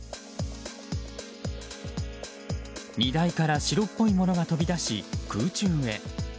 荷台から白っぽいものが飛び出し空中へ。